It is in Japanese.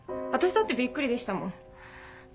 私だってビックリでしたもん。